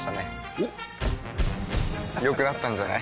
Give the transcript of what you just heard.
おっ良くなったんじゃない？